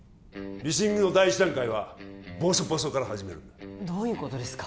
リスニングの第１段階はぼそぼそから始めるんだどういうことですか？